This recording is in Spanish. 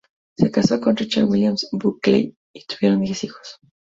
Se casó con Richard William Buckley y tuvieron diez hijos.